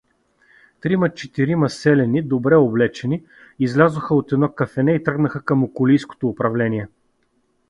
Трима-четирима селяни, добре облечени, излязоха от едно кафене и тръгнаха към околийското управление.